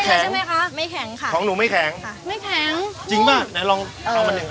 ไม่แข็งค่ะของหนูไม่แข็งค่ะไม่แข็งจริงป่ะไหนลองเอามันหนึ่ง